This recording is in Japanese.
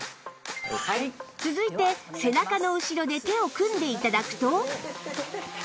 続いて背中の後ろで手を組んで頂くと